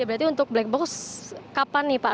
berarti untuk black box kapan nih pak